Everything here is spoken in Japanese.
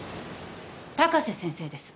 高瀬先生です。